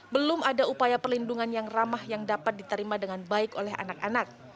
belum ada upaya perlindungan yang ramah yang dapat diterima dengan baik oleh anak anak